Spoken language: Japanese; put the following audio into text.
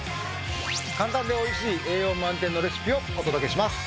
簡単でおいしい栄養満点のレシピをお届けします。